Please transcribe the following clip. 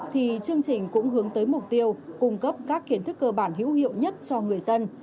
thì chương trình cũng hướng tới mục tiêu cung cấp các kiến thức cơ bản hữu hiệu nhất cho người dân